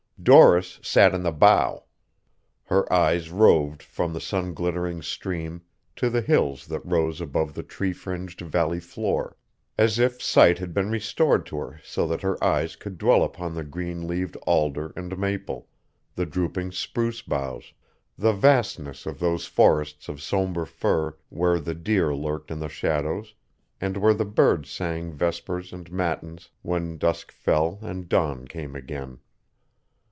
Doris sat in the bow. Her eyes roved from the sun glittering stream to the hills that rose above the tree fringed valley floor, as if sight had been restored to her so that her eyes could dwell upon the green leaved alder and maple, the drooping spruce bows, the vastness of those forests of somber fir where the deer lurked in the shadows and where the birds sang vespers and matins when dusk fell and dawn came again.